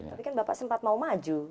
tapi kan bapak sempat mau maju